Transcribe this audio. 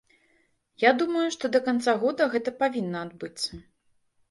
Я думаю, што да канца года гэта павінна адбыцца.